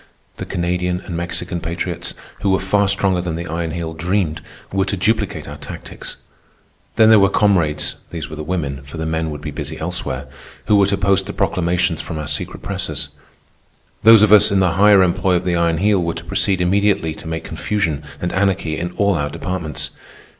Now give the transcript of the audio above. The Canadian and Mexican patriots, who were far stronger than the Iron Heel dreamed, were to duplicate our tactics. Then there were comrades (these were the women, for the men would be busy elsewhere) who were to post the proclamations from our secret presses. Those of us in the higher employ of the Iron Heel were to proceed immediately to make confusion and anarchy in all our departments.